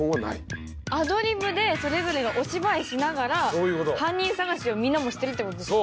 アドリブでそれぞれがお芝居しながら犯人さがしをみんなもしてるってことですか？